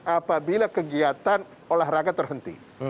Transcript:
apabila kegiatan olahraga terhenti